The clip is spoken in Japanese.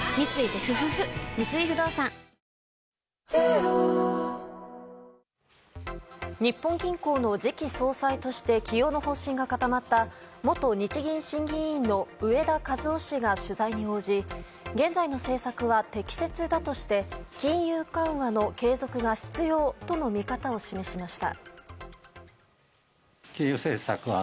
三井不動産日本銀行の次期総裁として起用の方針が固まった元日銀審議委員の植田和男氏が取材に応じ現在の政策は適切だとして金融緩和の継続が必要との見方を示しました。